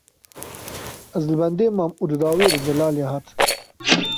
Ez li bendê mam û di dawiyê de Delalê hat.